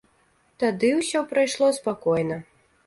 Тады ўсё прайшло спакойна.